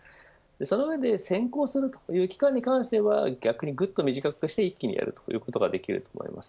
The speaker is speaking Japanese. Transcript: その上で選考するという期間に関してはぐっと短くして一気にやるということができると思います。